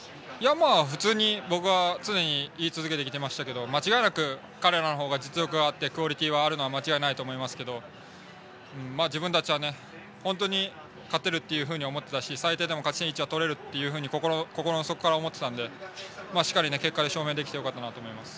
普通に僕は常に言い続けていましたが間違いなく彼らの方が実力はあってクオリティーがあるのは間違いないですが自分たちは本当に勝てると思っていたし最低でも勝ち点１は取れると心の底から思っていたので証明できてよかったと思います。